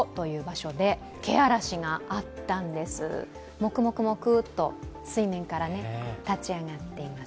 もくもくもくっと水面から立ち上がっています。